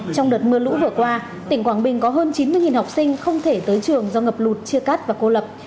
trong đợt mưa lũ vừa qua tỉnh quảng bình có hơn chín mươi học sinh không thể tới trường do ngập lụt chia cắt và cô lập